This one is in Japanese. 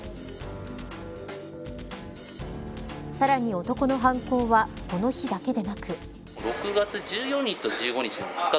さらに、男の犯行はこの日だけでなく。